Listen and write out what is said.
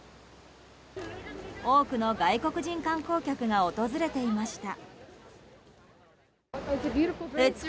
多くの外国人観光客が訪れていました。